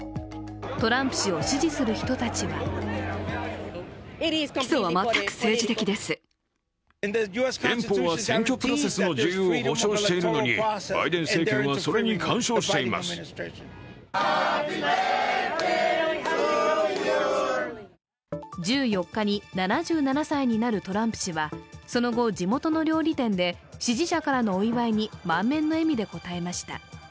トランプ氏を支持する人たちは１４日に７７歳になるトランプ氏はその後、地元の料理店で支持者からのお祝いに満面の笑みで応えました。